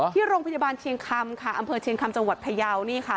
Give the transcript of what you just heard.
ที่โรงพยาบาลเชียงคำค่ะอำเภอเชียงคำจังหวัดพยาวนี่ค่ะ